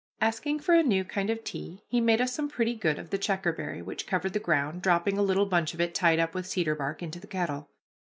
Asking for a new kind of tea, he made us some pretty good of the checkerberry, which covered the ground, dropping a little bunch of it tied up with cedar bark into the kettle.